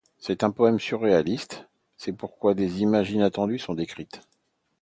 C'est un poème surréaliste, c'est pourquoi des images inattendues sont décrites.